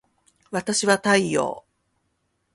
わたしは太陽